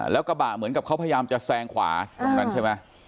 แล้วกระบะเหมือนกับเขาพยายามจะแซงขวาตรงนั้นใช่ไหม